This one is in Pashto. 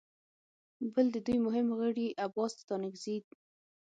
بل د دوی مهم غړي عباس ستانکزي